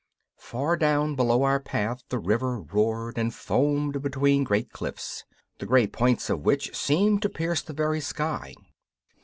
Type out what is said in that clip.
Far down below our path the river roared and foamed between great cliffs, the grey points of which seemed to pierce the very sky.